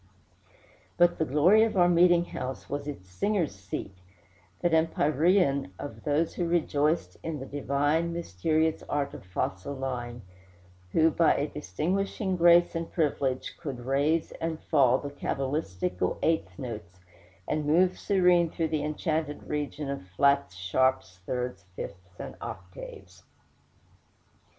But the glory of our meeting house was its singers' seat that empyrean of those who rejoiced in the divine, mysterious art of fa sol la ing, who, by a distinguishing grace and privilege, could "raise and fall" the cabalistical eighth notes, and move serene through the enchanted region of flats, sharps, thirds, fifths, and octaves.